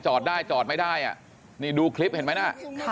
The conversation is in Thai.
จอดได้จอดไม่ได้อ่ะนี่ดูคลิปเห็นไหมน่ะ